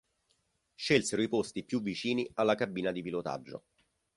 Scelsero i posti più vicini alla cabina di pilotaggio.